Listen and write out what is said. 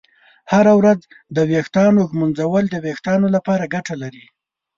هره ورځ د ویښتانو ږمنځول د ویښتانو لپاره ګټه لري.